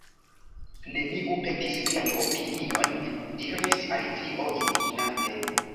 "Neniu petis vian opinion," diris Alicio indignante.